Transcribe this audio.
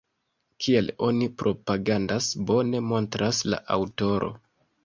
Kiel oni propagandas, bone montras la aŭtoro.